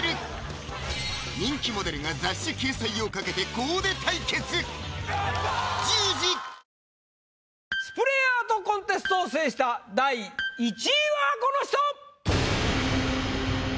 ＮＯ．１スプレーアートコンテストを制した第１位はこの人！